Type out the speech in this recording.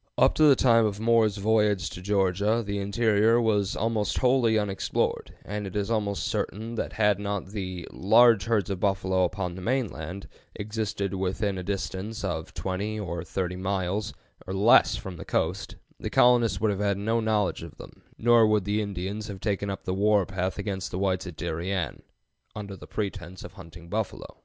" [Note 10: Ibid., I, p. 51.] Up to the time of Moore's voyage to Georgia the interior was almost wholly unexplored, and it is almost certain that had not the "large herds of buffalo on the main land" existed within a distance of 20 or 30 miles or less from the coast, the colonists would have had no knowledge of them; nor would the Indians have taken to the war path against the whites at Darien "under pretense of hunting buffalo."